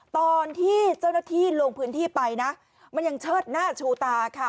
ตอนที่เจ้าหน้าที่ลงพื้นที่ไปนะมันยังเชิดหน้าชูตาค่ะ